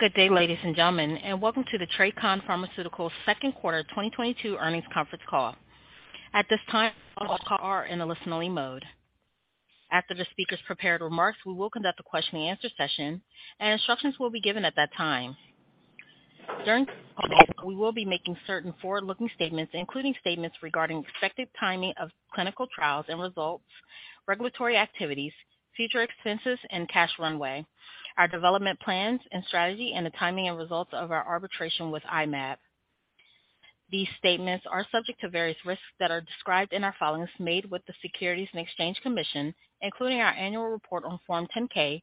Good day, ladies and gentlemen, and welcome to the TRACON Pharmaceuticals second quarter 2022 earnings conference call. At this time, all participants are in a listen-only mode. After the speakers' prepared remarks, we will conduct a question-and-answer session, and instructions will be given at that time. During the call, we will be making certain forward-looking statements, including statements regarding expected timing of clinical trials and results, regulatory activities, future expenses, and cash runway, our development plans and strategy, and the timing and results of our arbitration with I-Mab. These statements are subject to various risks that are described in our filings made with the Securities and Exchange Commission, including our annual report on Form 10-K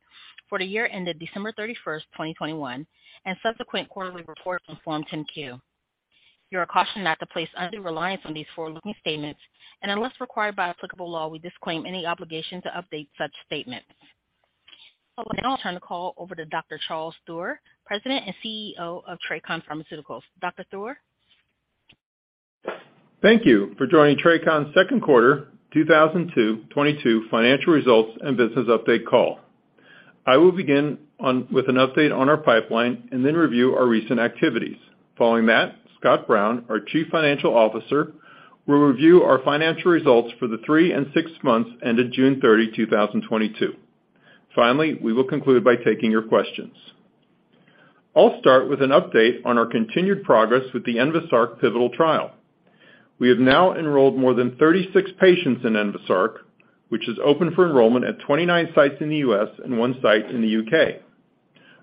for the year ended December 31st, 2021, and subsequent quarterly report on Form 10-Q. You are cautioned not to place undue reliance on these forward-looking statements. Unless required by applicable law, we disclaim any obligation to update such statements. I'll now turn the call over to Dr. Charles Theuer, President and CEO of TRACON Pharmaceuticals. Dr. Theuer? Thank you for joining TRACON's second quarter 2022 financial results and business update call. I will begin with an update on our pipeline and then review our recent activities. Following that, Scott Brown, our Chief Financial Officer, will review our financial results for the three and six months ended June 30, 2022. Finally, we will conclude by taking your questions. I'll start with an update on our continued progress with the ENVASARC pivotal trial. We have now enrolled more than 36 patients in ENVASARC, which is open for enrollment at 29 sites in the U.S. and one site in the U.K.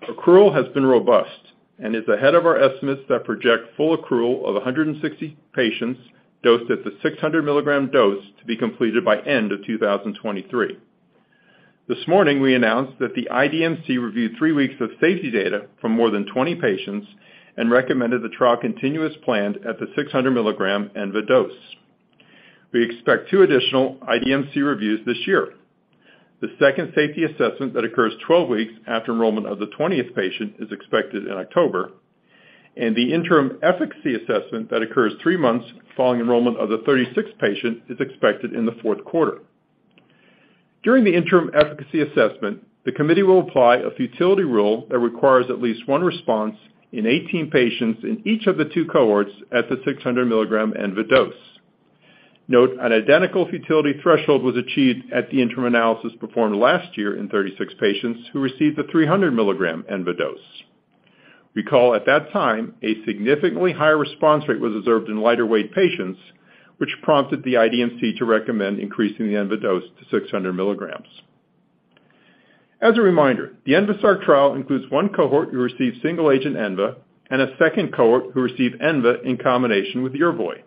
Accrual has been robust and is ahead of our estimates that project full accrual of 160 patients dosed at the 600 milligram dose to be completed by end of 2023. This morning, we announced that the IDMC reviewed three weeks of safety data from more than 20 patients and recommended the trial continue as planned at the 600 milligram ENVA dose. We expect two additional IDMC reviews this year. The second safety assessment that occurs 12 weeks after enrollment of the 20th patient is expected in October, and the interim efficacy assessment that occurs three months following enrollment of the 36th patient is expected in the fourth quarter. During the interim efficacy assessment, the committee will apply a futility rule that requires at least one response in 18 patients in each of the two cohorts at the 600 milligram ENVA dose. Note, an identical futility threshold was achieved at the interim analysis performed last year in 36 patients who received the 300 milligram ENVA dose. Recall, at that time, a significantly higher response rate was observed in lighter weight patients, which prompted the IDMC to recommend increasing the ENVA dose to 600 milligrams. As a reminder, the ENVASARC trial includes one cohort who received single agent ENVA and a second cohort who received ENVA in combination with Yervoy.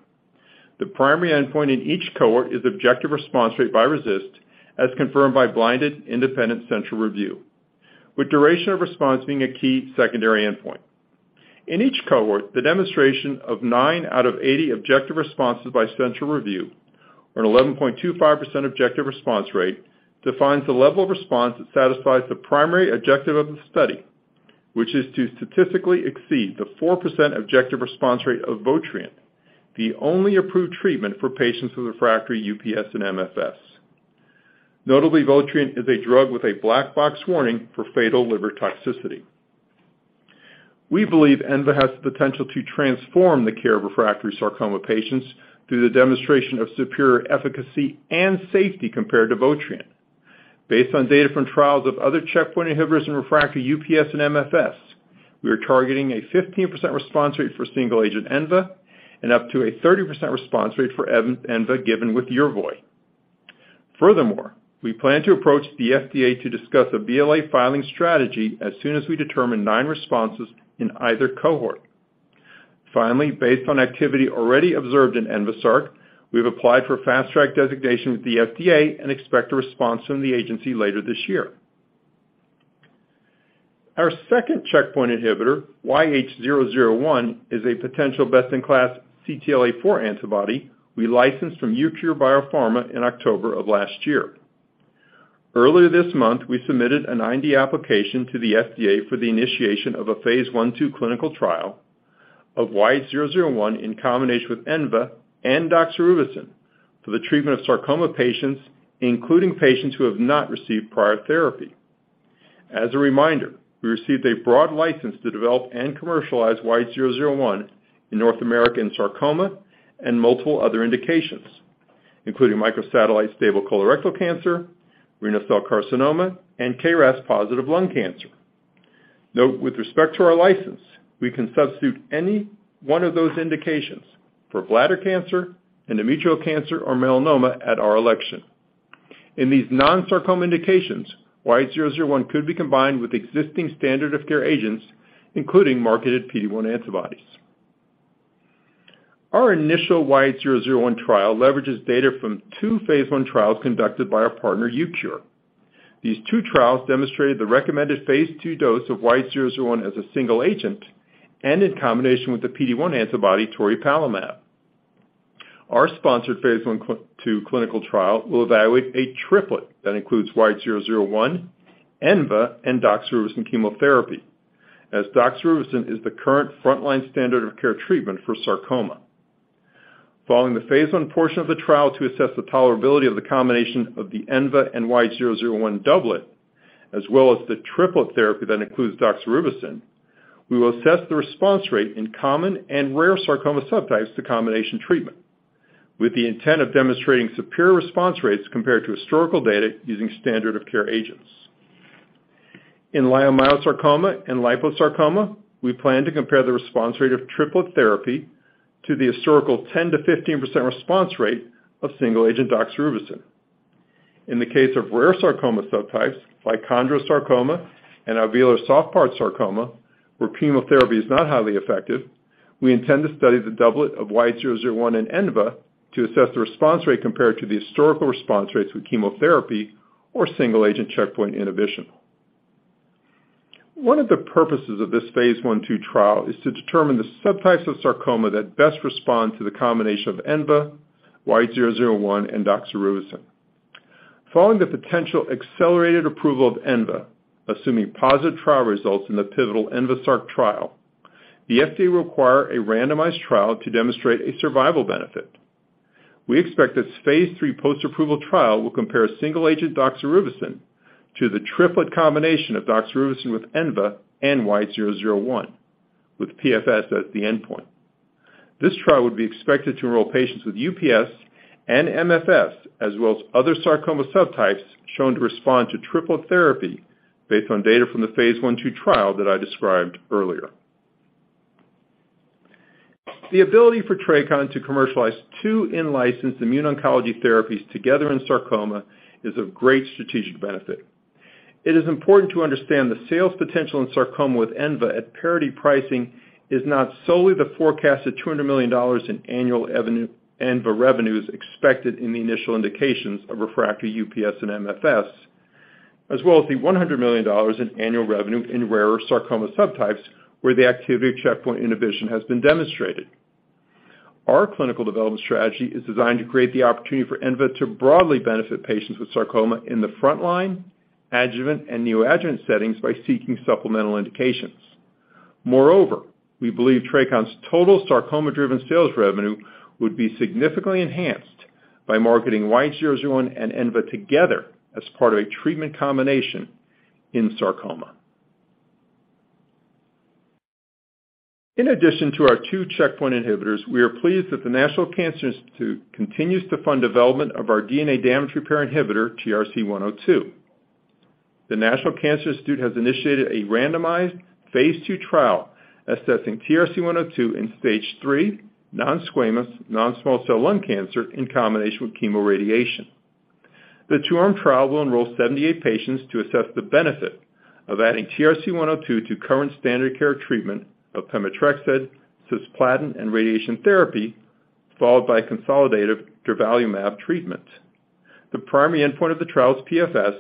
The primary endpoint in each cohort is objective response rate by RECIST, as confirmed by blinded independent central review, with duration of response being a key secondary endpoint. In each cohort, the demonstration of nine out of 80 objective responses by central review or an 11.25% objective response rate defines the level of response that satisfies the primary objective of the study, which is to statistically exceed the 4% objective response rate of Votrient, the only approved treatment for patients with refractory UPS and MFS. Notably, Votrient is a drug with a black box warning for fatal liver toxicity. We believe ENVA has the potential to transform the care of refractory sarcoma patients through the demonstration of superior efficacy and safety compared to Votrient. Based on data from trials of other checkpoint inhibitors in refractory UPS and MFS, we are targeting a 15% response rate for single agent ENVA and up to a 30% response rate for ENVA given with Yervoy. Furthermore, we plan to approach the FDA to discuss a BLA filing strategy as soon as we determine nine responses in either cohort. Finally, based on activity already observed in ENVASARC, we've applied for fast track designation with the FDA and expect a response from the agency later this year. Our second checkpoint inhibitor, YH001, is a potential best-in-class CTLA-4 antibody we licensed from Eucure Biopharma in October of last year. Earlier this month, we submitted an IND application to the FDA for the initiation of a phase I/II clinical trial of YH001 in combination with ENVA and doxorubicin for the treatment of sarcoma patients, including patients who have not received prior therapy. As a reminder, we received a broad license to develop and commercialize YH001 in North America in sarcoma and multiple other indications, including microsatellite stable colorectal cancer, renal cell carcinoma, and KRAS positive lung cancer. Note, with respect to our license, we can substitute any one of those indications for bladder cancer, endometrial cancer, or melanoma at our election. In these non-sarcoma indications, YH001 could be combined with existing standard of care agents, including marketed PD-1 antibodies. Our initial YH001 trial leverages data from two phase I trials conducted by our partner Eucure. These two trials demonstrated the recommended phase II dose of YH001 as a single agent and in combination with the PD-1 antibody toripalimab. Our sponsored phase I/II clinical trial will evaluate a triplet that includes YH001, ENVA, and doxorubicin chemotherapy, as doxorubicin is the current frontline standard of care treatment for sarcoma. Following the phase I portion of the trial to assess the tolerability of the combination of the ENVA and YH001 doublet, as well as the triplet therapy that includes doxorubicin, we will assess the response rate in common and rare sarcoma subtypes to combination treatment with the intent of demonstrating superior response rates compared to historical data using standard of care agents. In leiomyosarcoma and liposarcoma, we plan to compare the response rate of triplet therapy to the historical 10%-15% response rate of single-agent doxorubicin. In the case of rare sarcoma subtypes like chondrosarcoma and alveolar soft part sarcoma, where chemotherapy is not highly effective, we intend to study the doublet of YH001 and ENVA to assess the response rate compared to the historical response rates with chemotherapy or single-agent checkpoint inhibition. One of the purposes of this phase I/II trial is to determine the subtypes of sarcoma that best respond to the combination of ENVA, YH001, and doxorubicin. Following the potential accelerated approval of ENVA, assuming positive trial results in the pivotal ENVASARC trial, the FDA require a randomized trial to demonstrate a survival benefit. We expect this phase III post-approval trial will compare single-agent doxorubicin to the triplet combination of doxorubicin with ENVA and YH001 with PFS as the endpoint. This trial would be expected to enroll patients with UPS and MFS, as well as other sarcoma subtypes shown to respond to triplet therapy based on data from the phase I/II trial that I described earlier. The ability for TRACON to commercialize two in-licensed immune oncology therapies together in sarcoma is of great strategic benefit. It is important to understand the sales potential in sarcoma with ENVA at parity pricing, is not solely the forecasted $200 million in annual revenue, ENVA revenues expected in the initial indications of refractory UPS and MFS, as well as the $100 million in annual revenue in rarer sarcoma subtypes where the activity of checkpoint inhibition has been demonstrated. Our clinical development strategy is designed to create the opportunity for ENVA to broadly benefit patients with sarcoma in the frontline, adjuvant, and neoadjuvant settings by seeking supplemental indications. Moreover, we believe TRACON's total sarcoma-driven sales revenue would be significantly enhanced by marketing YH001 and ENVA together as part of a treatment combination in sarcoma. In addition to our two checkpoint inhibitors, we are pleased that the National Cancer Institute continues to fund development of our DNA damage repair inhibitor, TRC102. The National Cancer Institute has initiated a randomized phase II trial assessing TRC102 in stage III non-squamous non-small cell lung cancer in combination with chemoradiation. The two-arm trial will enroll 78 patients to assess the benefit of adding TRC102 to current standard care treatment of pemetrexed, cisplatin, and radiation therapy, followed by consolidated durvalumab treatment. The primary endpoint of the trial is PFS,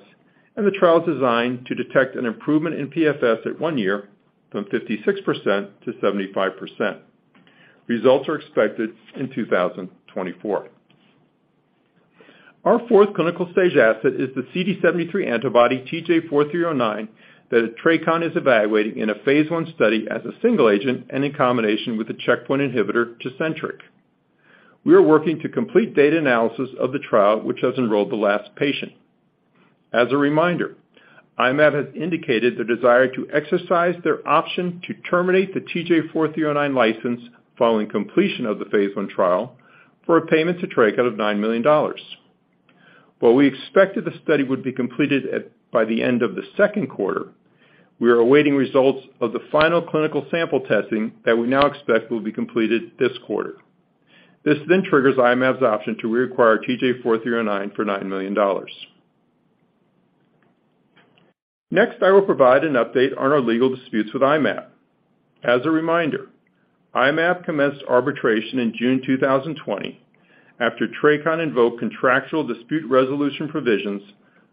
and the trial is designed to detect an improvement in PFS at one year from 56% to 75%. Results are expected in 2024. Our fourth clinical stage asset is the CD73 antibody TJ004309 that TRACON is evaluating in a phase I study as a single agent and in combination with the checkpoint inhibitor Tecentriq. We are working to complete data analysis of the trial which has enrolled the last patient. As a reminder, I-Mab has indicated the desire to exercise their option to terminate the TJ004309 license following completion of the phase I trial for a payment to TRACON of $9 million. While we expected the study would be completed by the end of the second quarter, we are awaiting results of the final clinical sample testing that we now expect will be completed this quarter. This then triggers I-Mab's option to reacquire TJ004309 for $9 million. Next, I will provide an update on our legal disputes with I-Mab. As a reminder, I-Mab commenced arbitration in June 2020 after TRACON invoked contractual dispute resolution provisions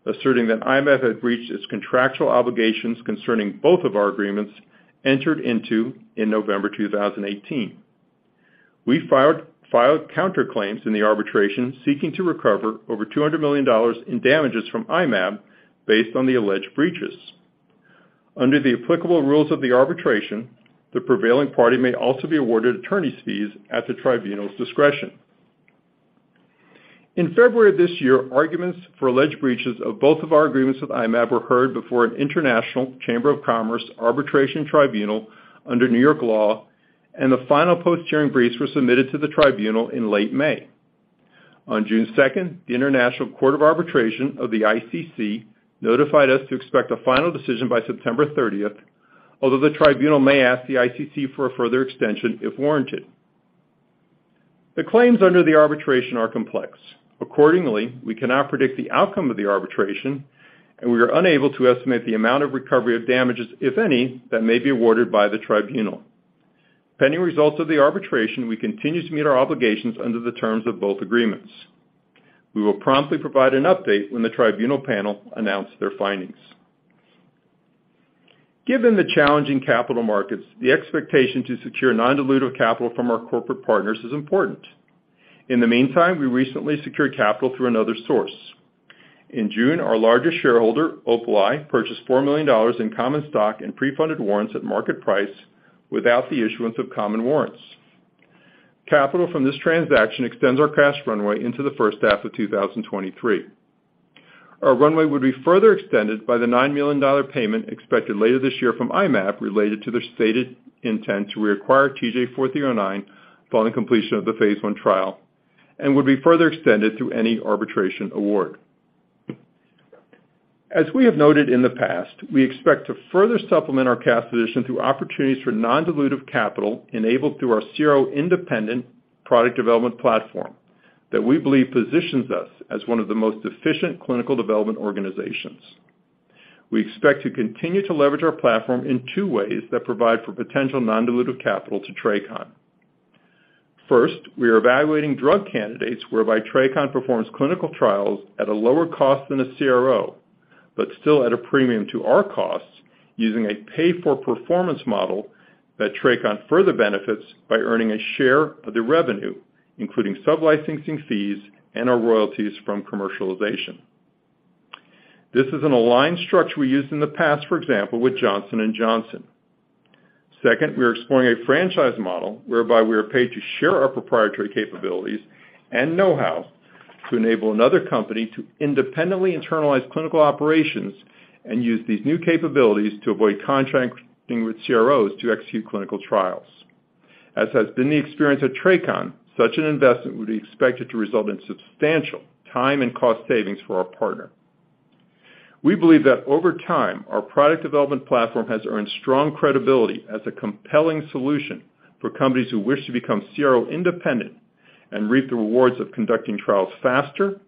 asserting that I-Mab had breached its contractual obligations concerning both of our agreements entered into in November 2018. We filed counter claims in the arbitration seeking to recover over $200 million in damages from I-Mab based on the alleged breaches. Under the applicable rules of the arbitration, the prevailing party may also be awarded attorney's fees at the tribunal's discretion. In February of this year, arguments for alleged breaches of both of our agreements with I-Mab were heard before an International Chamber of Commerce Arbitration Tribunal under New York law, and the final post-hearing briefs were submitted to the tribunal in late May. On June 2nd, the International Court of Arbitration of the ICC notified us to expect a final decision by September 30th, although the tribunal may ask the ICC for a further extension if warranted. The claims under the arbitration are complex. Accordingly, we cannot predict the outcome of the arbitration, and we are unable to estimate the amount of recovery of damages, if any, that may be awarded by the tribunal. Pending results of the arbitration, we continue to meet our obligations under the terms of both agreements. We will promptly provide an update when the tribunal panel announce their findings. Given the challenging capital markets, the expectation to secure non-dilutive capital from our corporate partners is important. In the meantime, we recently secured capital through another source. In June, our largest shareholder, Opaleye, purchased $4 million in common stock and pre-funded warrants at market price without the issuance of common warrants. Capital from this transaction extends our cash runway into the first half of 2023. Our runway would be further extended by the $9 million payment expected later this year from I-Mab related to their stated intent to reacquire TJ004309 following completion of the phase I trial, and would be further extended through any arbitration award. We expect to further supplement our cash position through opportunities for non-dilutive capital enabled through our CRO independent product development platform that we believe positions us as one of the most efficient clinical development organizations. We expect to continue to leverage our platform in two ways that provide for potential non-dilutive capital to TRACON. First, we are evaluating drug candidates whereby TRACON performs clinical trials at a lower cost than a CRO, but still at a premium to our costs using a pay-for-performance model that TRACON further benefits by earning a share of the revenue, including sub-licensing fees and our royalties from commercialization. This is an aligned structure we used in the past, for example, with Johnson & Johnson. Second, we are exploring a franchise model whereby we are paid to share our proprietary capabilities and know-how to enable another company to independently internalize clinical operations and use these new capabilities to avoid contracting with CROs to execute clinical trials. As has been the experience at TRACON, such an investment would be expected to result in substantial time and cost savings for our partner. We believe that over time, our product development platform has earned strong credibility as a compelling solution for companies who wish to become CRO independent and reap the rewards of conducting trials faster,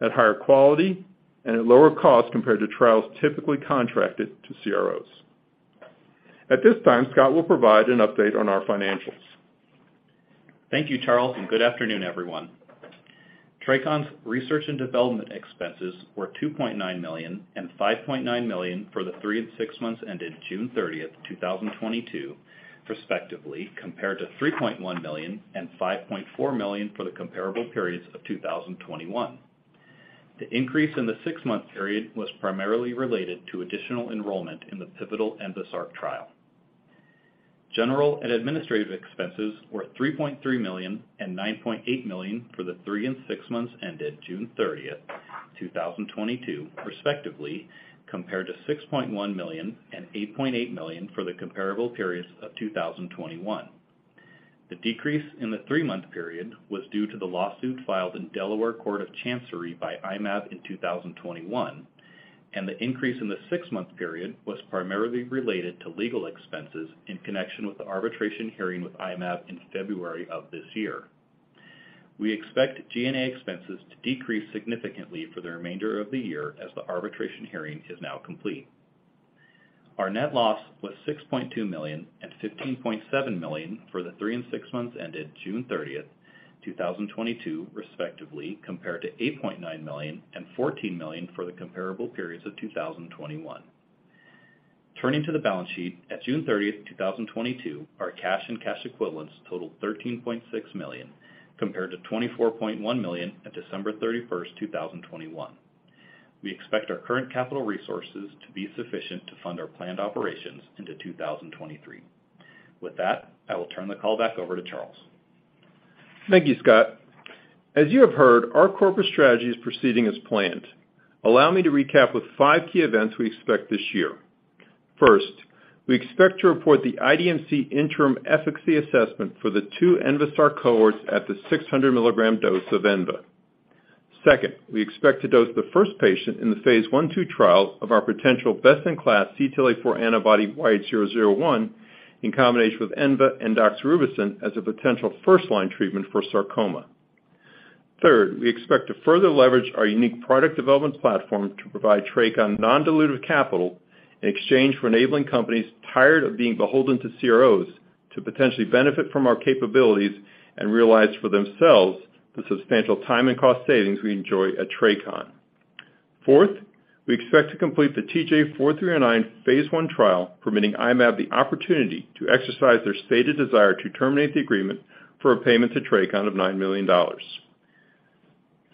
at higher quality, and at lower cost compared to trials typically contracted to CROs. At this time, Scott will provide an update on our financials. Thank you, Charles, and good afternoon, everyone. TRACON's research and development expenses were $2.9 million and $5.9 million for the three and six months ended June 30th, 2022, respectively, compared to $3.1 million and $5.4 million for the comparable periods of 2021. The increase in the six-month period was primarily related to additional enrollment in the pivotal ENVASARC trial. General and administrative expenses were $3.3 million and $9.8 million for the three and six months ended June 30th, 2022, respectively, compared to $6.1 million and $8.8 million for the comparable periods of 2021. The decrease in the three-month period was due to the lawsuit filed in Delaware Court of Chancery by I-Mab in 2021, and the increase in the six-month period was primarily related to legal expenses in connection with the arbitration hearing with I-Mab in February of this year. We expect G&A expenses to decrease significantly for the remainder of the year as the arbitration hearing is now complete. Our net loss was $6.2 million and $15.7 million for the three and six months ended June 30th, 2022, respectively, compared to $8.9 million and $14 million for the comparable periods of 2021. Turning to the balance sheet, at June 30th, 2022, our cash and cash equivalents totaled $13.6 million, compared to $24.1 million at December 31st, 2021. We expect our current capital resources to be sufficient to fund our planned operations into 2023. With that, I will turn the call back over to Charles. Thank you, Scott. As you have heard, our corporate strategy is proceeding as planned. Allow me to recap with five key events we expect this year. First, we expect to report the IDMC interim efficacy assessment for the two ENVASARC cohorts at the 600 milligram dose of ENVA. Second, we expect to dose the first patient in the phase I/II trial of our potential best-in-class CTLA-4 antibody YH001 in combination with ENVA and doxorubicin as a potential first-line treatment for sarcoma. Third, we expect to further leverage our unique product development platform to provide TRACON non-dilutive capital in exchange for enabling companies tired of being beholden to CROs to potentially benefit from our capabilities and realize for themselves the substantial time and cost savings we enjoy at TRACON. Fourth, we expect to complete the TJ004309 phase I trial, permitting I-Mab the opportunity to exercise their stated desire to terminate the agreement for a payment to TRACON of $9 million.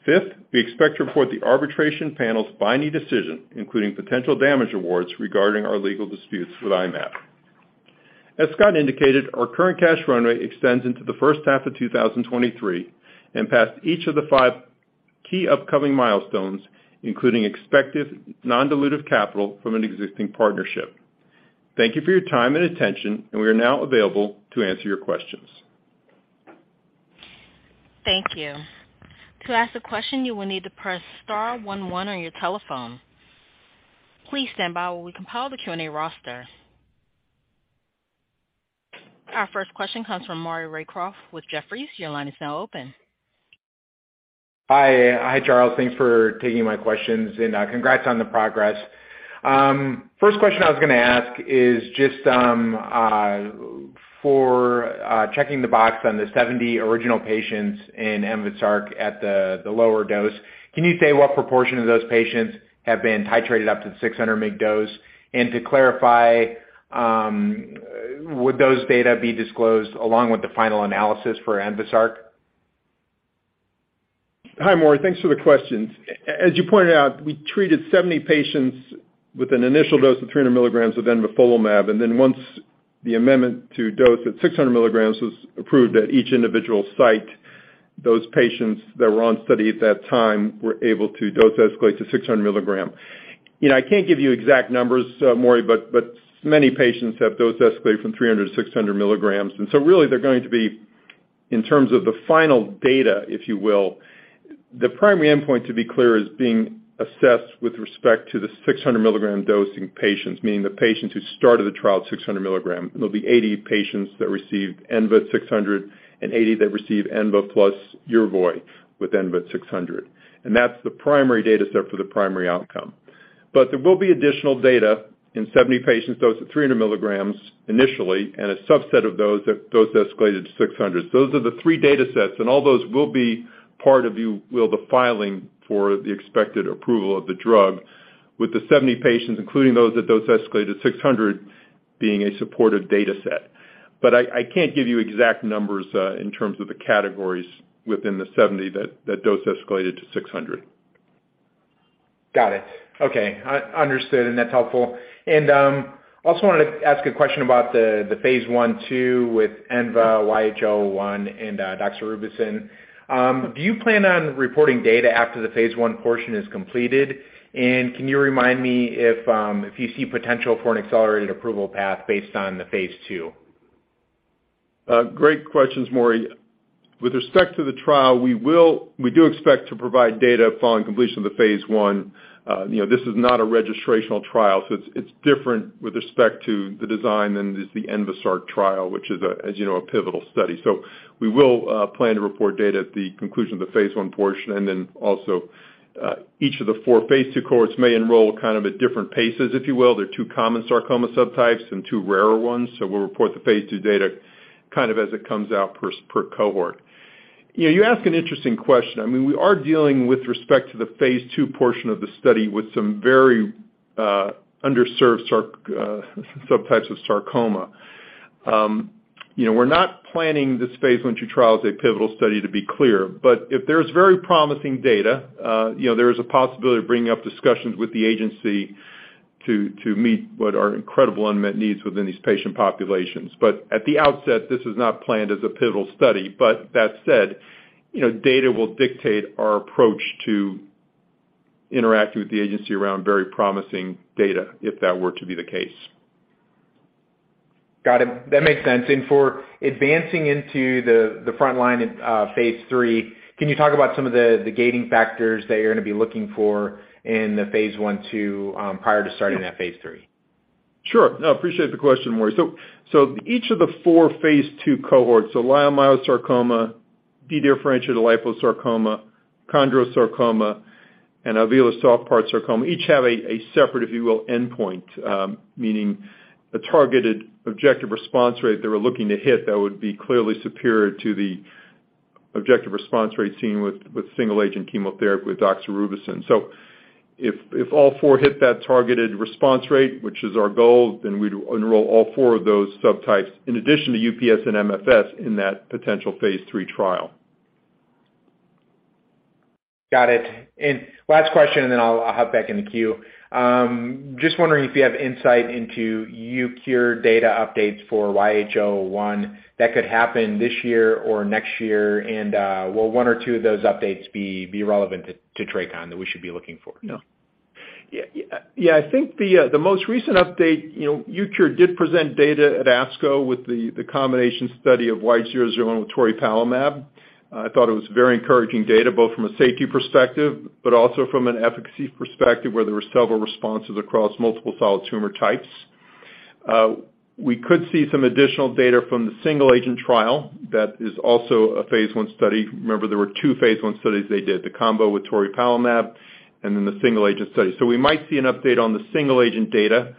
Fifth, we expect to report the arbitration panel's binding decision, including potential damage awards regarding our legal disputes with I-Mab. As Scott indicated, our current cash runway extends into the first half of 2023 and past each of the five key upcoming milestones, including expected non-dilutive capital from an existing partnership. Thank you for your time and attention, and we are now available to answer your questions. Thank you. To ask a question, you will need to press star one one on your telephone. Please stand by while we compile the Q&A roster. Our first question comes from Maury Raycroft with Jefferies. Your line is now open. Hi. Hi, Charles. Thanks for taking my questions and, congrats on the progress. First question I was gonna ask is just, for checking the box on the 70 original patients in ENVASARC at the lower dose, can you say what proportion of those patients have been titrated up to the 600 milligram dose? To clarify, would those data be disclosed along with the final analysis for ENVASARC? Hi, Maury. Thanks for the questions. As you pointed out, we treated 70 patients with an initial dose of 300 milligrams of envafolimab, and then once the amendment to dose at 600 milligrams was approved at each individual site, those patients that were on study at that time were able to dose escalate to 600 milligram. You know, I can't give you exact numbers, Maury, but many patients have dose escalated from 300 to 600 milligrams. Really they're going to be, in terms of the final data, if you will, the primary endpoint to be clear, is being assessed with respect to the 600 milligram dosing patients, meaning the patients who started the trial at 600 milligram. There'll be 80 patients that received ENVA 600 and 80 that receive ENVA plus Yervoy with ENVA 600. That's the primary data set for the primary outcome. There will be additional data in 70 patients, dosed at 300 milligrams initially, and a subset of those dose escalated to 600. Those are the three data sets, and all those will be part of, if you will, the filing for the expected approval of the drug with the 70 patients, including those that dose escalated 600 being a supported data set. I can't give you exact numbers in terms of the categories within the 70 that dose escalated to 600. Got it. Okay. Understood, and that's helpful. Also wanted to ask a question about the phase I/II with ENVA YH001 and doxorubicin. Do you plan on reporting data after the phase I portion is completed? Can you remind me if you see potential for an accelerated approval path based on the phase II? Great questions, Maury. With respect to the trial, we do expect to provide data following completion of the phase I. You know, this is not a registrational trial, so it's different with respect to the design than is the ENVASARC trial, which is a, as you know, a pivotal study. We will plan to report data at the conclusion of the phase I portion. Each of the four phase II cohorts may enroll kind of at different paces, if you will. There are two common sarcoma subtypes and two rarer ones. We'll report the phase II data kind of as it comes out per cohort. You know, you ask an interesting question. I mean, we are dealing with respect to the phase II portion of the study with some very underserved subtypes of sarcoma. You know, we're not planning this phase I/II trial as a pivotal study to be clear, but if there's very promising data, you know, there is a possibility of bringing up discussions with the agency to meet what are incredible unmet needs within these patient populations. At the outset, this is not planned as a pivotal study. That said, you know, data will dictate our approach to interact with the agency around very promising data if that were to be the case. Got it. That makes sense. For advancing into the front line in phase III, can you talk about some of the gating factors that you're gonna be looking for in the phase I/II prior to starting that phase III? I appreciate the question, Maury. Each of the four phase II cohorts, leiomyosarcoma, dedifferentiated liposarcoma, chondrosarcoma, and alveolar soft part sarcoma, each have a separate, if you will, endpoint, meaning a targeted objective response rate that we're looking to hit that would be clearly superior to the objective response rate seen with single agent chemotherapy with doxorubicin. If all four hit that targeted response rate, which is our goal, then we'd enroll all four of those subtypes in addition to UPS and MFS in that potential phase III trial. Got it. Last question and then I'll hop back in the queue. Just wondering if you have insight into Eucure data updates for YH001 that could happen this year or next year. Will one or two of those updates be relevant to TRACON that we should be looking for? Yeah. Yeah, I think the most recent update, you know, Eucure did present data at ASCO with the combination study of YH001 with toripalimab. I thought it was very encouraging data both from a safety perspective, but also from an efficacy perspective where there were several responses across multiple solid tumor types. We could see some additional data from the single agent trial that is also a phase I study. Remember, there were two phase I studies they did, the combo with toripalimab and then the single agent study. We might see an update on the single agent data.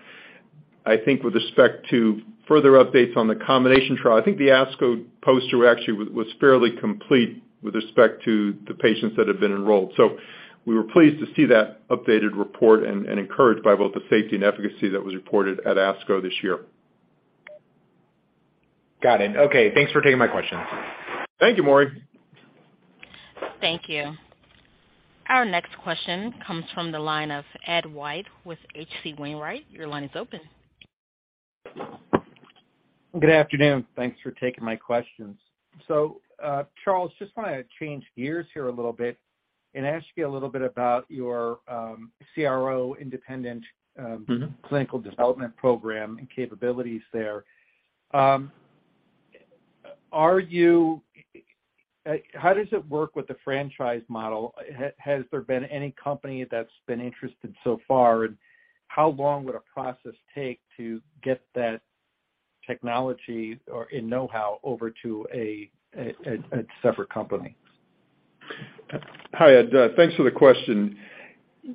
I think with respect to further updates on the combination trial, I think the ASCO poster actually was fairly complete with respect to the patients that have been enrolled. We were pleased to see that updated report and encouraged by both the safety and efficacy that was reported at ASCO this year. Got it. Okay, thanks for taking my questions. Thank you, Maury. Thank you. Our next question comes from the line of Ed White with H.C. Wainwright. Your line is open. Good afternoon. Thanks for taking my questions. Charles, just wanna change gears here a little bit and ask you a little bit about your CRO independent Mm-hmm. Clinical development program and capabilities there. How does it work with the franchise model? Has there been any company that's been interested so far? How long would a process take to get that technology or and know-how over to a separate company? Hi, Ed. Thanks for the question.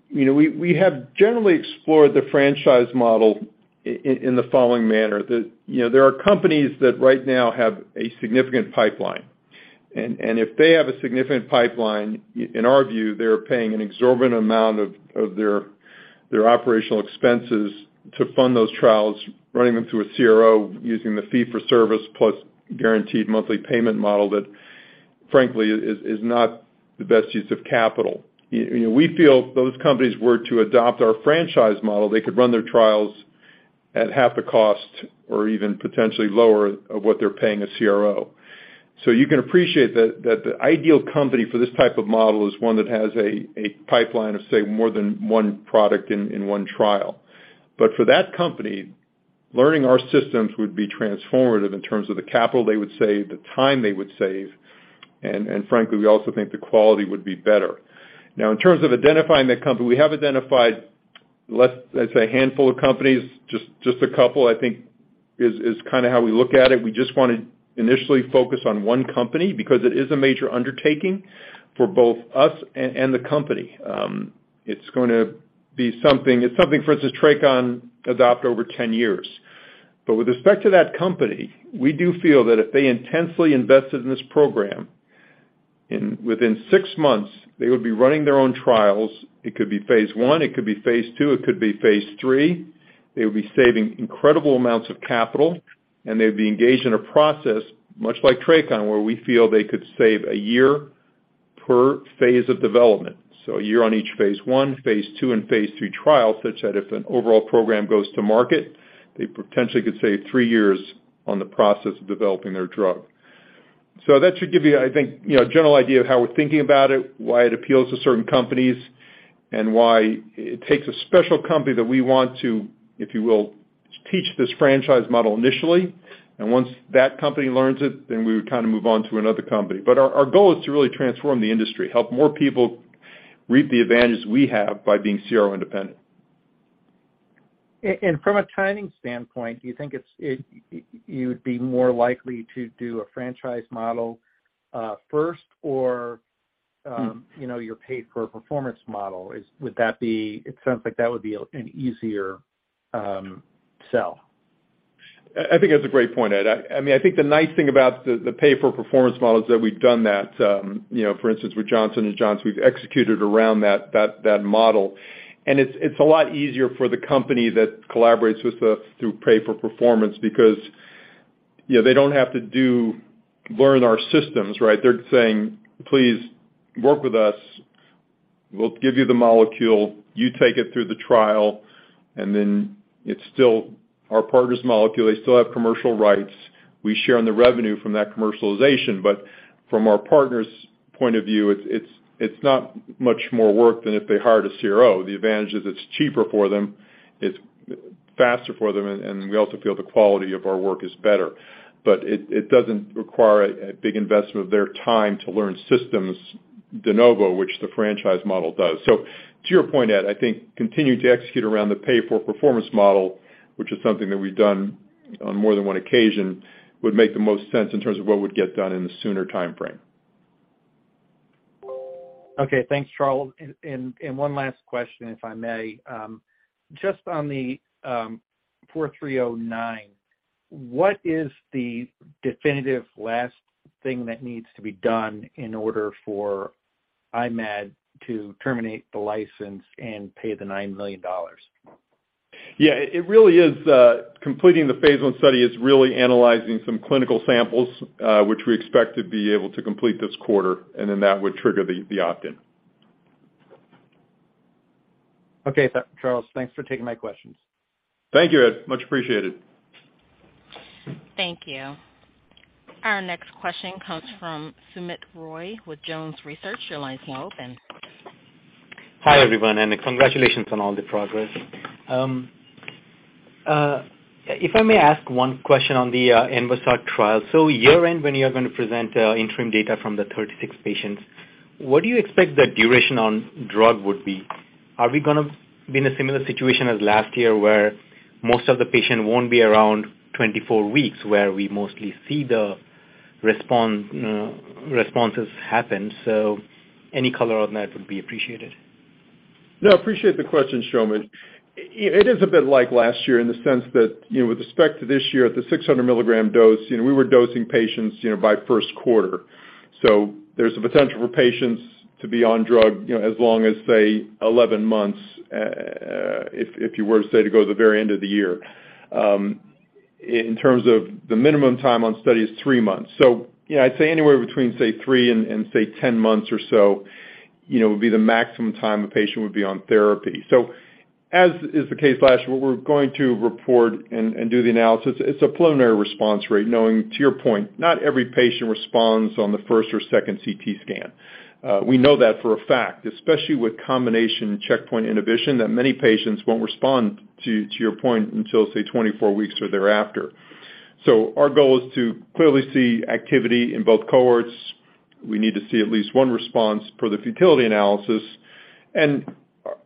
You know, we have generally explored the franchise model in the following manner. You know, there are companies that right now have a significant pipeline. And if they have a significant pipeline, in our view, they are paying an exorbitant amount of their operational expenses to fund those trials, running them through a CRO using the fee for service plus guaranteed monthly payment model that frankly is not the best use of capital. You know, we feel if those companies were to adopt our franchise model, they could run their trials at half the cost or even potentially lower of what they're paying a CRO. You can appreciate that the ideal company for this type of model is one that has a pipeline of, say, more than one product in one trial. For that company, learning our systems would be transformative in terms of the capital they would save, the time they would save, and frankly, we also think the quality would be better. Now, in terms of identifying that company, we have identified. I'd say a handful of companies, just a couple, I think, is kinda how we look at it. We just wanna initially focus on one company because it is a major undertaking for both us and the company. It's gonna be something for us as TRACON adopt over 10 years. With respect to that company, we do feel that if they intensely invested in this program within six months, they would be running their own trials. It could be phase I, it could be phase II, it could be phase III. They would be saving incredible amounts of capital, and they'd be engaged in a process much like TRACON, where we feel they could save a year per phase of development. A year on each phase I, phase II, and phase III trial, such that if an overall program goes to market, they potentially could save three years on the process of developing their drug. That should give you, I think, you know, a general idea of how we're thinking about it, why it appeals to certain companies, and why it takes a special company that we want to, if you will, teach this franchise model initially. Once that company learns it, then we would kind of move on to another company. Our goal is to really transform the industry, help more people reap the advantage we have by being CRO independent. From a timing standpoint, do you think you'd be more likely to do a franchise model first or, you know, your paid for performance model? It sounds like that would be an easier sell. I think that's a great point, Ed. I mean, I think the nice thing about the pay for performance model is that we've done that, you know, for instance, with Johnson & Johnson. We've executed around that model. It's a lot easier for the company that collaborates with us through pay for performance because, you know, they don't have to learn our systems, right? They're saying, "Please work with us. We'll give you the molecule. You take it through the trial," and then it's still our partner's molecule. They still have commercial rights. We share in the revenue from that commercialization. From our partner's point of view, it's not much more work than if they hired a CRO. The advantage is it's cheaper for them, it's faster for them, and we also feel the quality of our work is better. It doesn't require a big investment of their time to learn systems de novo, which the franchise model does. To your point, Ed, I think continuing to execute around the pay for performance model, which is something that we've done on more than one occasion, would make the most sense in terms of what would get done in the sooner timeframe. Okay. Thanks, Charles. One last question, if I may. Just on the TJ004309, what is the definitive last thing that needs to be done in order for I-Mab to terminate the license and pay the $9 million? Yeah. It really is completing the phase I study. It's really analyzing some clinical samples, which we expect to be able to complete this quarter, and then that would trigger the opt-in. Okay. Charles, thanks for taking my questions. Thank you, Ed. Much appreciated. Thank you. Our next question comes from Soumit Roy with Jones Research. Your line's now open. Hi, everyone, and congratulations on all the progress. If I may ask one question on the ENVASARC trial. Year-end, when you're gonna present interim data from the 36 patients, what do you expect the duration on drug would be? Are we gonna be in a similar situation as last year where most of the patient won't be around 24 weeks, where we mostly see responses happen? Any color on that would be appreciated. No, I appreciate the question, Soumit. It is a bit like last year in the sense that, you know, with respect to this year at the 600 milligram dose, you know, we were dosing patients, you know, by first quarter. There's a potential for patients to be on drug, you know, as long as say, 11 months, if you were to say to go to the very end of the year. In terms of the minimum time on study is three months. You know, I'd say anywhere between, say, three and say, 10 months or so, you know, would be the maximum time a patient would be on therapy. As is the case last year, we're going to report and do the analysis. It's a preliminary response rate, knowing, to your point, not every patient responds on the first or second CT scan. We know that for a fact, especially with combination checkpoint inhibition, that many patients won't respond, to your point, until, say, 24 weeks or thereafter. Our goal is to clearly see activity in both cohorts. We need to see at least one response for the futility analysis.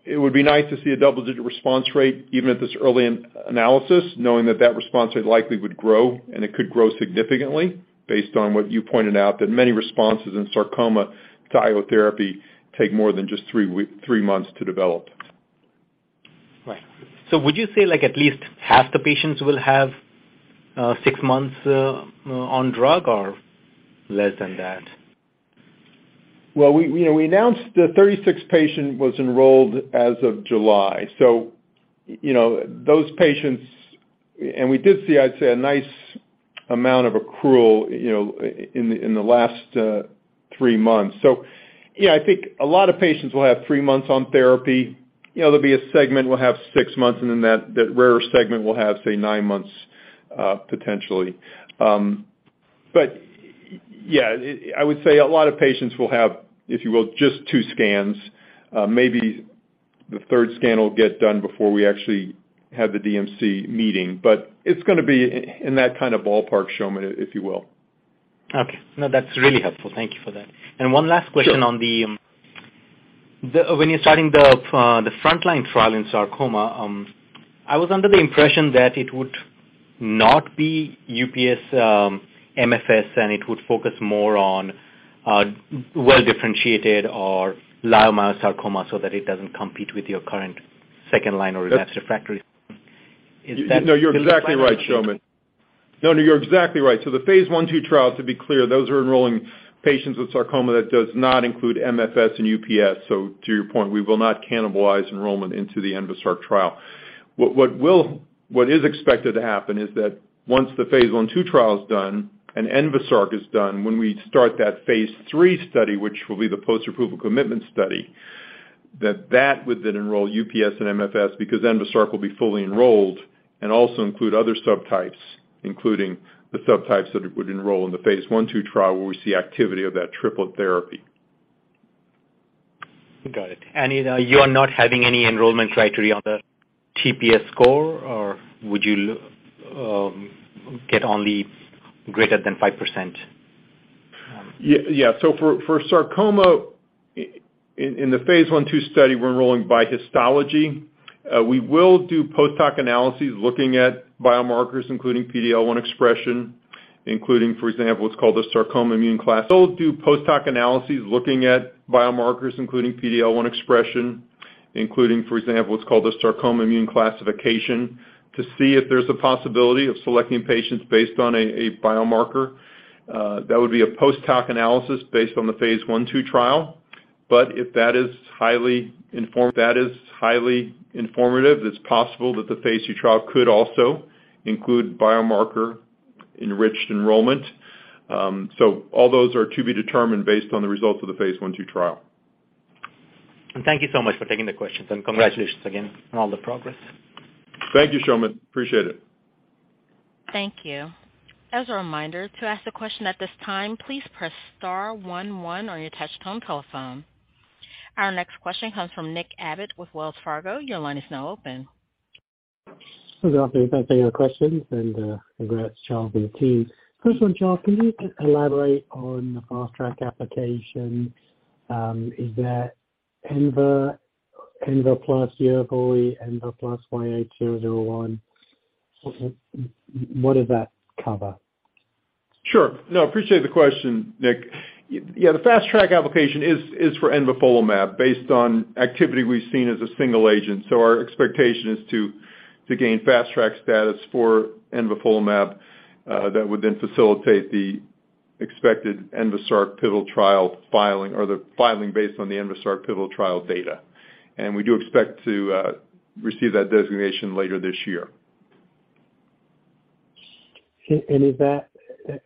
It would be nice to see a double-digit response rate, even at this early analysis, knowing that that response rate likely would grow, and it could grow significantly based on what you pointed out, that many responses in sarcoma IO therapy take more than just three months to develop. Right. Would you say like at least half the patients will have six months on drug or less than that? Well, you know, we announced that 36 patients were enrolled as of July. You know, those patients. We did see, I'd say, a nice amount of accrual, you know, in the last three months. Yeah, I think a lot of patients will have three months on therapy. You know, there'll be a segment will have six months, and then that rarer segment will have, say, nine months potentially. But yeah, I would say a lot of patients will have, if you will, just two scans. Maybe the third scan will get done before we actually have the DMC meeting. It's gonna be in that kind of ballpark, Soumit, if you will. Okay. No, that's really helpful. Thank you for that. Sure. One last question on the. When you're starting the frontline trial in sarcoma, I was under the impression that it would not be UPS, MFS, and it would focus more on well-differentiated or leiomyosarcoma so that it doesn't compete with your current second line or next refractory. Is that? No, you're exactly right, Soumit. The phase I/II trial, to be clear, those are enrolling patients with sarcoma that does not include MFS and UPS. To your point, we will not cannibalize enrollment into the ENVASARC trial. What is expected to happen is that once the phase I/II trial is done and ENVASARC is done, when we start that phase III study, which will be the post-approval commitment study, that would then enroll UPS and MFS because ENVASARC will be fully enrolled and also include other subtypes, including the subtypes that it would enroll in the phase I/II trial where we see activity of that triplet therapy. Got it. You are not having any enrollment criteria on the TPS score, or would you get only greater than 5%? For sarcoma in the phase I/II study, we're enrolling by histology. We will do post hoc analyses looking at biomarkers, including PD-L1 expression, including, for example, what's called the Sarcoma Immune Classification, to see if there's a possibility of selecting patients based on a biomarker. That would be a post hoc analysis based on the phase I/II trial. If that is highly informative, it's possible that the phase II trial could also include biomarker-enriched enrollment. All those are to be determined based on the results of the phase I/II trial. Thank you so much for taking the questions, and congratulations again on all the progress. Thank you, Soumit. Appreciate it. Thank you. As a reminder, to ask a question at this time, please press star one one on your touchtone telephone. Our next question comes from Nick Abbott with Wells Fargo. Your line is now open. Thanks for taking our questions and, congrats, Charles and the team. First one, Charles, can you elaborate on the fast track application? Is that ENVA plus Yervoy, ENVA plus YH001? What does that cover? Sure. No, appreciate the question, Nick. Yeah, the fast track application is for envafolimab based on activity we've seen as a single agent. Our expectation is to gain fast track status for envafolimab, that would then facilitate the expected ENVASARC pivotal trial filing or the filing based on the ENVASARC pivotal trial data. We do expect to receive that designation later this year. Is that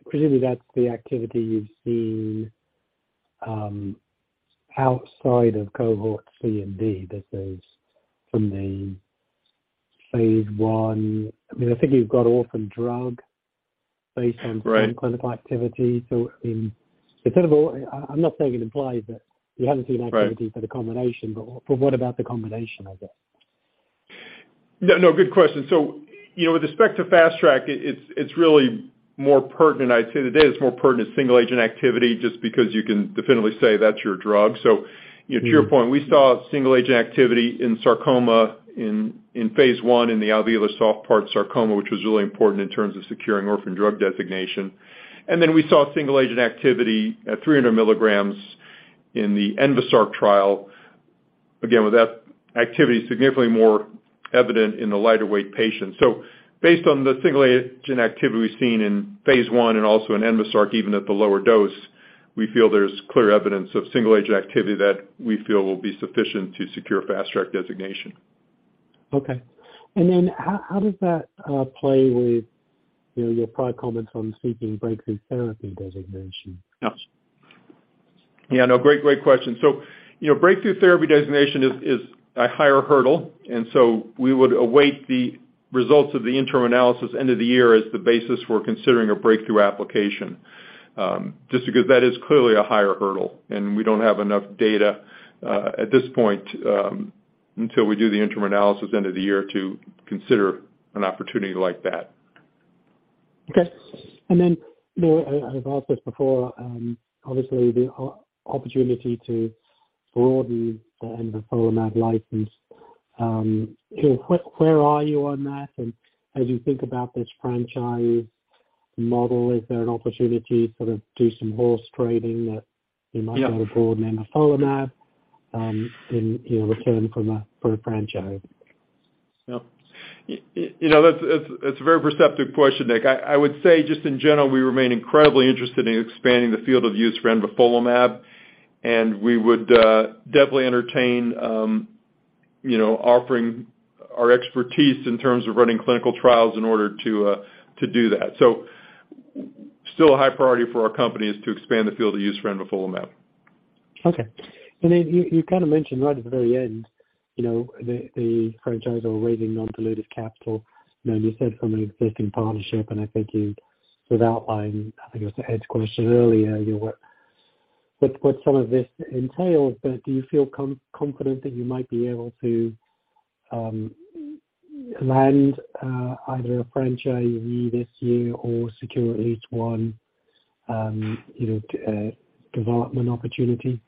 presumably that's the activity you've seen outside of cohort C and D. That is from the phase I. I mean, I think you've got orphan drug based on- Right. ...clinical activity. I mean, I'm not saying it implies that you haven't seen activity. Right. For the combination, but what about the combination of it? No, no, good question. You know, with respect to fast track, it's really more pertinent, I'd say today, it's more pertinent to single-agent activity just because you can definitively say that's your drug. You know, to your point, we saw single-agent activity in sarcoma in phase I in the Alveolar soft part sarcoma, which was really important in terms of securing orphan drug designation. Then we saw single-agent activity at 300 milligrams in the ENVASARC trial. Again, with that activity significantly more evident in the lighter weight patients. Based on the single-agent activity we've seen in phase I and also in ENVASARC, even at the lower dose, we feel there's clear evidence of single-agent activity that we feel will be sufficient to secure fast track designation. Okay. How does that play with, you know, your prior comments on seeking breakthrough therapy designation? Yes. Yeah. No, great question. You know, breakthrough therapy designation is a higher hurdle, and we would await the results of the interim analysis end of the year as the basis for considering a breakthrough application. Just because that is clearly a higher hurdle, and we don't have enough data at this point until we do the interim analysis end of the year to consider an opportunity like that. Okay. You know, I've asked this before, obviously the opportunity to broaden the envafolimab license. You know, where are you on that? And as you think about this franchise model, is there an opportunity to sort of do some horse trading that you might go to board- Yeah. envafolimab, you know, in return for the franchise? Yep. You know, that's a very perceptive question, Nick. I would say just in general, we remain incredibly interested in expanding the field of use for envafolimab, and we would definitely entertain, you know, offering our expertise in terms of running clinical trials in order to do that. Still a high priority for our company is to expand the field of use for envafolimab. Okay. You kind of mentioned right at the very end, you know, the franchise or raising non-dilutive capital, you know, you said from an existing partnership, and I think you sort of outlined, I think it was Ed's question earlier, you know, what some of this entails. Do you feel confident that you might be able to land either a franchisee this year or secure at least one development opportunity?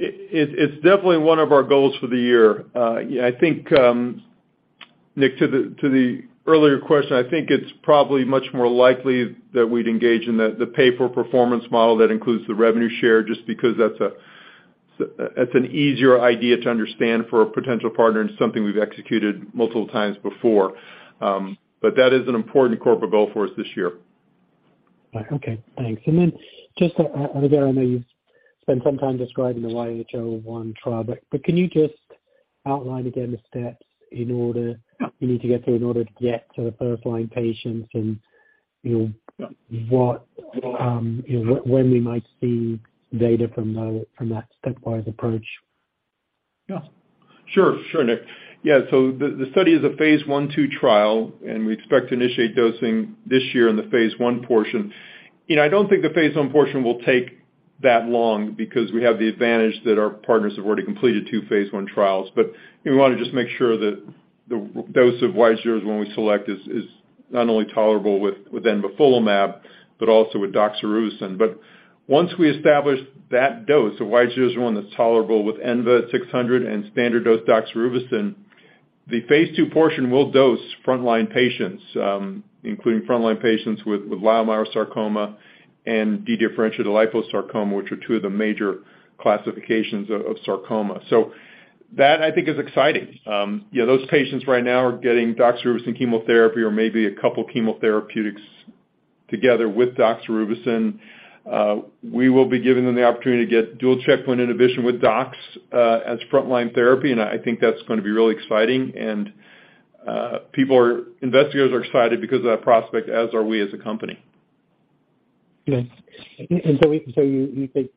It's definitely one of our goals for the year. Yeah, I think, Nick, to the earlier question, I think it's probably much more likely that we'd engage in the pay-for-performance model that includes the revenue share, just because that's an easier idea to understand for a potential partner and something we've executed multiple times before. But that is an important corporate goal for us this year. Right. Okay, thanks. Just another, I know you've spent some time describing the YH001 trial, but can you just outline again the steps in order? Yeah. You need to get through in order to get to the first-line patients and, you know. Yeah. What, you know, when we might see data from that stepwise approach? Yeah, sure. Sure, Nick. Yeah, the study is a phase I/II trial, and we expect to initiate dosing this year in the phase I portion. You know, I don't think the phase I portion will take that long because we have the advantage that our partners have already completed two phase I trials. You know, we wanna just make sure that the dose of YH001 we select is not only tolerable with envafolimab, but also with doxorubicin. Once we establish that dose of YH001 that's tolerable with ENVA-600 and standard dose doxorubicin, the phase II portion will dose frontline patients, including frontline patients with leiomyosarcoma and dedifferentiated liposarcoma, which are two of the major classifications of sarcoma. That I think is exciting. You know, those patients right now are getting doxorubicin chemotherapy or maybe a couple chemotherapeutics together with doxorubicin. We will be giving them the opportunity to get dual checkpoint inhibition with dox as frontline therapy, and I think that's gonna be really exciting. Investigators are excited because of that prospect, as are we as a company. Yes. You think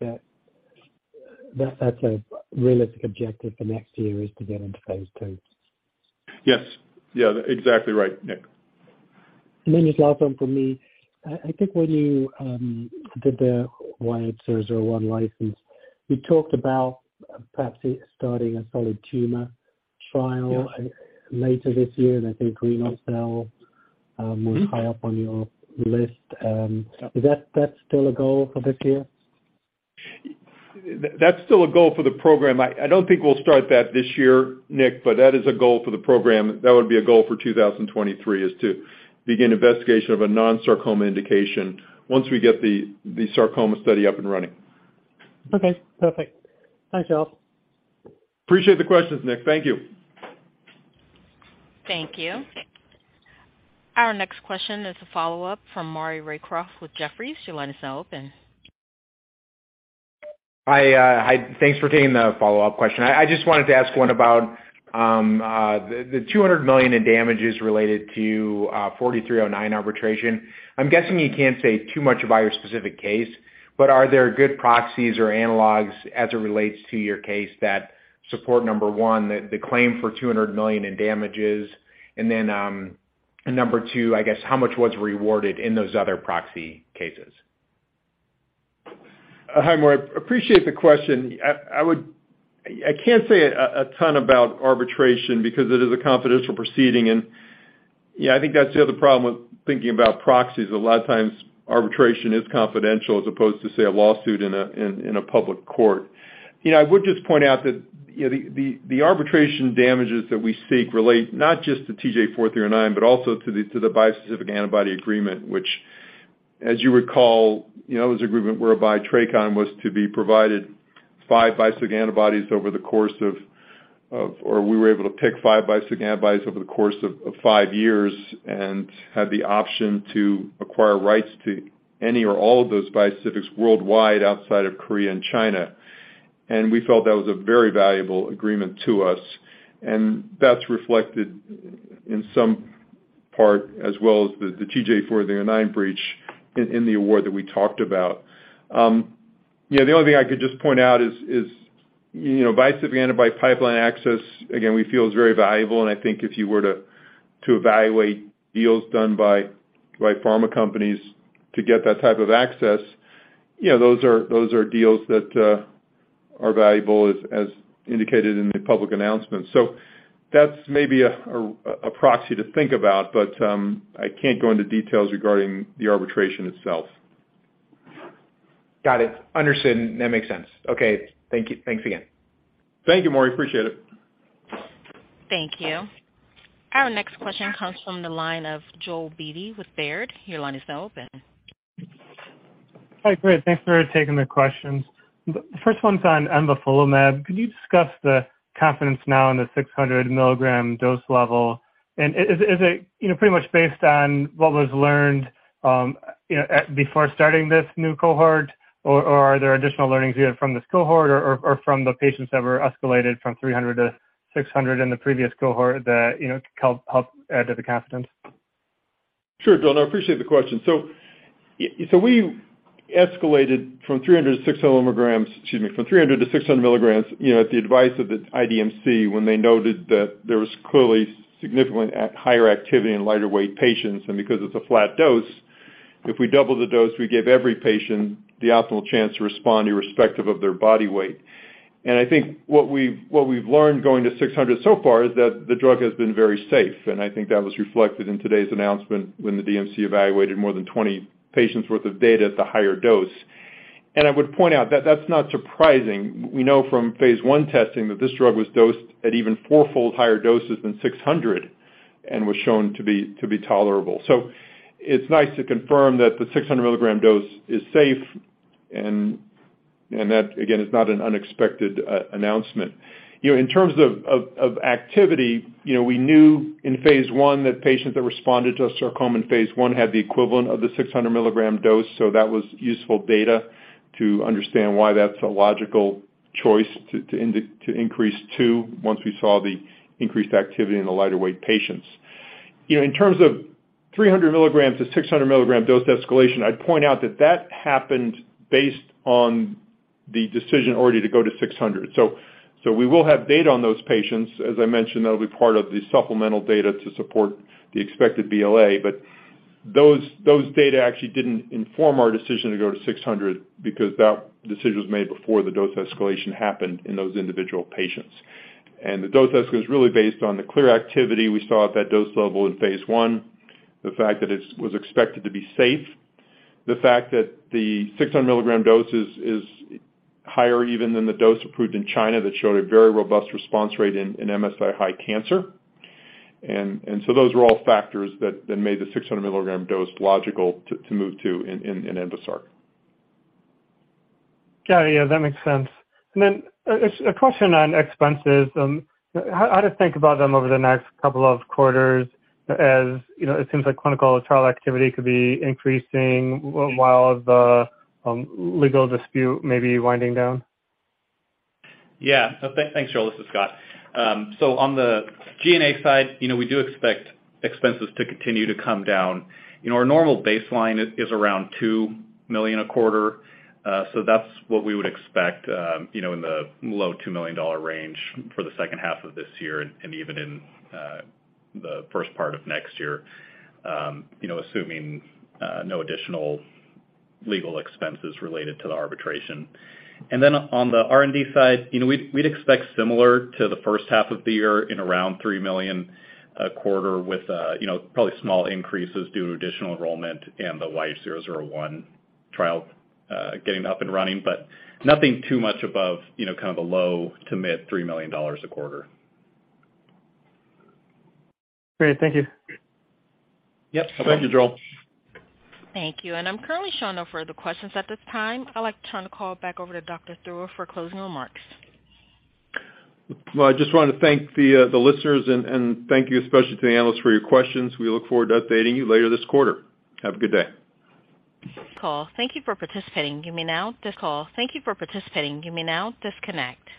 that's a realistic objective for next year is to get into phase II? Yes. Yeah, exactly right, Nick. Just last one from me. I think when you did the YH001 license, you talked about perhaps starting a solid tumor trial. Yeah. Later this year, and I think renal cell. Mm-hmm. Was high up on your list. Yeah. Is that still a goal for this year? That's still a goal for the program. I don't think we'll start that this year, Nick, but that is a goal for the program. That would be a goal for 2023, is to begin investigation of a non-sarcoma indication once we get the sarcoma study up and running. Okay. Perfect. Thanks, y'all. Appreciate the questions, Nick. Thank you. Thank you. Our next question is a follow-up from Maury Raycroft with Jefferies. Your line is now open. Hi. Thanks for taking the follow-up question. I just wanted to ask one about the $200 million in damages related to 4309 arbitration. I'm guessing you can't say too much about your specific case, but are there good proxies or analogs as it relates to your case that support, number one, the claim for $200 million in damages? And then, number two, I guess how much was rewarded in those other proxy cases? Hi, Maury. Appreciate the question. I can't say a ton about arbitration because it is a confidential proceeding. Yeah, I think that's the other problem with thinking about proxies. A lot of times arbitration is confidential as opposed to, say, a lawsuit in a public court. You know, I would just point out that, you know, the arbitration damages that we seek relate not just to TJ-4309, but also to the bispecific antibody agreement, which, as you recall, you know, it was an agreement whereby TRACON was to be provided five bispecific antibodies over the course of. We were able to pick five bispecific antibodies over the course of five years and had the option to acquire rights to any or all of those bispecifics worldwide outside of Korea and China. We felt that was a very valuable agreement to us, and that's reflected in some part as well as the TJ004309 breach in the award that we talked about. You know, the only thing I could just point out is bispecific antibody pipeline access, again, we feel is very valuable, and I think if you were to evaluate deals done by pharma companies to get that type of access, you know, those are deals that are valuable as indicated in the public announcements. That's maybe a proxy to think about, but I can't go into details regarding the arbitration itself. Got it. Understood. That makes sense. Okay. Thank you. Thanks again. Thank you, Maury. Appreciate it. Thank you. Our next question comes from the line of Joel Beatty with Baird. Your line is now open. Hi, great. Thanks for taking the questions. The first one's on envafolimab. Could you discuss the confidence now in the 600 milligram dose level? Is it, you know, pretty much based on what was learned, you know, before starting this new cohort, or are there additional learnings either from this cohort or from the patients that were escalated from 300 to 600 in the previous cohort that, you know, could help add to the confidence? Sure, Joel, and I appreciate the question. We escalated from 300 to 600 milligrams, you know, at the advice of the IDMC when they noted that there was clearly significantly higher activity in lighter weight patients. Because it's a flat dose, if we double the dose, we give every patient the optimal chance to respond irrespective of their body weight. I think what we've learned going to 600 so far is that the drug has been very safe, and I think that was reflected in today's announcement when the DMC evaluated more than 20 patients worth of data at the higher dose. I would point out that that's not surprising. We know from phase one testing that this drug was dosed at even fourfold higher doses than 600 and was shown to be tolerable. It's nice to confirm that the 600 milligram dose is safe and that, again, is not an unexpected announcement. You know, in terms of activity, you know, we knew in phase I that patients that responded to a sarcoma in phase one had the equivalent of the 600 milligram dose. That was useful data to understand why that's a logical choice to increase to, once we saw the increased activity in the lighter weight patients. You know, in terms of 300 milligrams to 600 milligram dose escalation, I'd point out that that happened based on the decision already to go to 600. We will have data on those patients. As I mentioned, that'll be part of the supplemental data to support the expected BLA. Those data actually didn't inform our decision to go to 600 because that decision was made before the dose escalation happened in those individual patients. The dose was really based on the clear activity we saw at that dose level in phase I, the fact that it was expected to be safe, the fact that the 600 milligram dose is higher even than the dose approved in China that showed a very robust response rate in MSI-H cancer. Those were all factors that made the 600 milligram dose logical to move to in ENVASARC. Got it. Yeah, that makes sense. A question on expenses. How to think about them over the next couple of quarters as, you know, it seems like clinical trial activity could be increasing while the legal dispute may be winding down. Yeah. Thanks, Joel. This is Scott. On the G&A side, you know, we do expect expenses to continue to come down. You know, our normal baseline is around $2 million a quarter. That's what we would expect, you know, in the low $2 million range for the second half of this year and even in the first part of next year, you know, assuming no additional legal expenses related to the arbitration. On the R&D side, you know, we'd expect similar to the first half of the year in around $3 million a quarter with you know, probably small increases due to additional enrollment and the YH001 trial getting up and running. Nothing too much above, you know, kind of the low-to-mid $3 million a quarter. Great. Thank you. Yep. Thank you, Joel. Thank you. I'm currently showing no further questions at this time. I'd like to turn the call back over to Dr. Theuer for closing remarks. Well, I just want to thank the listeners and thank you especially to the analysts for your questions. We look forward to updating you later this quarter. Have a good day. Call. Thank you for participating. You may now disconnect.